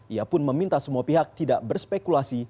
ia pun meminta semua pihak tidak berspekulasi